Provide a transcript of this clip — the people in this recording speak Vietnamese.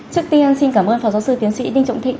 trước tiên xin cảm ơn phó giáo sư tiến sĩ đinh trọng thịnh